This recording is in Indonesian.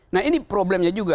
nah ini problemnya juga